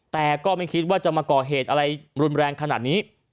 แต่ก็ไม่คิดว่าจะมาก่อเหตุอะไรรุนแรงขนาดนี้